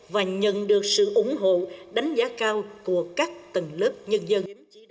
và nhận được sự ủng hộ đánh giá cao của các tầng lớp nhân dân